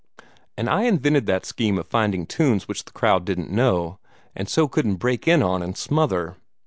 And I invented that scheme of finding tunes which the crowd didn't know, and so couldn't break in on and smother.